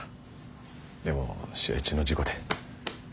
でも試合中の事故で。